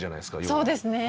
そうですね。